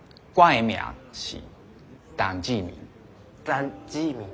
ダァン・ジーミン？